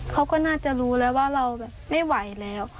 เขาก็น่าจะรู้แล้วว่าเราแบบไม่ไหวแล้ว